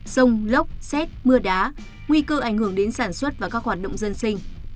rông lốc xét mưa đá nguy cơ ảnh hưởng đến sản xuất và các hoạt động dân sinh